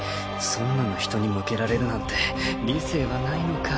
そんなの人に向けられるなんて理性はないのか？